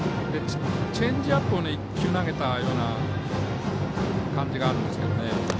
チェンジアップを１球投げたような感じがあるんですけどね。